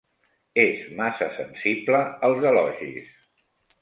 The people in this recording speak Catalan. És massa sensible als elogis.